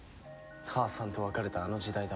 母さんと別れたあの時代だ。